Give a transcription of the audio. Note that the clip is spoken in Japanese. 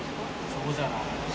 そうじゃない？